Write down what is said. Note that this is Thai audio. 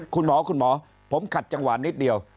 คุณหมอคุณหมอผมขัดจังหวะนิดเดียว